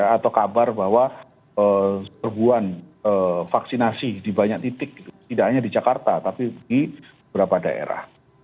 atau kabar bahwa serbuan vaksinasi di banyak titik tidak hanya di jakarta tapi di beberapa daerah